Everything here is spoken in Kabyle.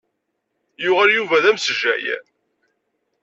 Yuɣal Yuba d amejjay.